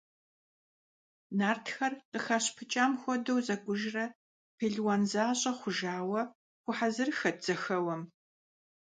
Нартхэр, къыхащыпыкӀам хуэдэу зэкӀужрэ пелуан защӀэ хъужауэ, хуэхьэзырыххэт зэхэуэм.